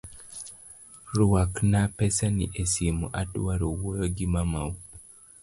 Ruakna pesani esimu adwaro wuoyo gi mamau.